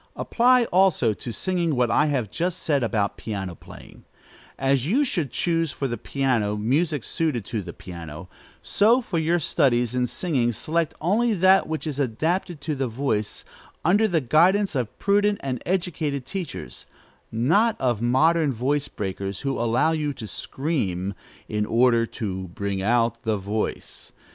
Apply also to singing what I have just said about piano playing: as you should choose for the piano music suited to the piano, so for your studies in singing select only that which is adapted to the voice; under the guidance of prudent and educated teachers, not of modern voice breakers, who allow you to scream, "in order to bring out the voice."